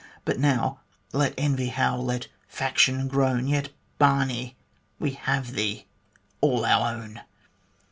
But now, let envy howl, let faction groan, Yet, Barney ! yet we have thee all our own.